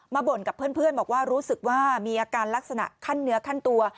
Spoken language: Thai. บ่นกับเพื่อนบอกว่ารู้สึกว่ามีอาการลักษณะขั้นเนื้อขั้นตัว